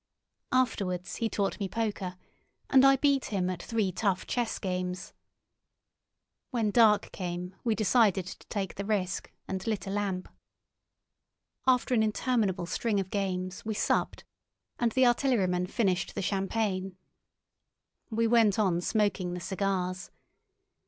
Afterwards he taught me poker, and I beat him at three tough chess games. When dark came we decided to take the risk, and lit a lamp. After an interminable string of games, we supped, and the artilleryman finished the champagne. We went on smoking the cigars.